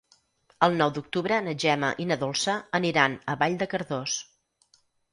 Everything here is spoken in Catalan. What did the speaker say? El nou d'octubre na Gemma i na Dolça aniran a Vall de Cardós.